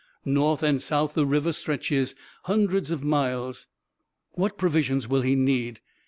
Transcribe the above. " North and south the river stretches, hundreds of miles." " What provisions will he need?